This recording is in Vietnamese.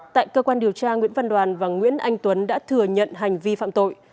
tại cơ quan điều tra nguyễn văn đoàn và nguyễn anh tuấn đã thừa nhận hành vi phạm tội